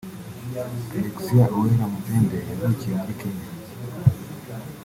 Alexia Uwera Mupende yavukiye muri Kenya